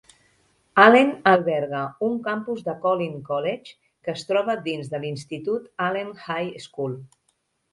Allen alberga un campus de Collin College, que es troba dins de l'institut Allen High School.